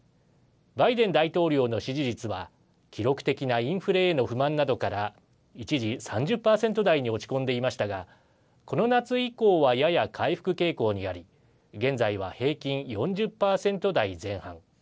バイデン大統領の支持率は記録的なインフレへの不満などから一時３０％台に落ち込んでいましたがこの夏以降はやや回復傾向にあり現在は平均４０％台前半。